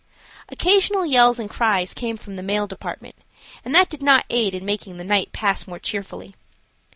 Occasional yells and cries came from the male department, and that did not aid in making the night pass more cheerfully.